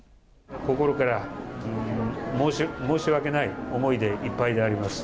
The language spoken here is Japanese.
心から申し訳ない思いでいっぱいであります。